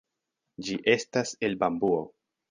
Ĝi estas el bambuo.